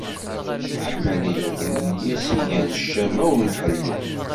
Leḥmala yuḍnen i as-igan ccamma ur n ḥellu.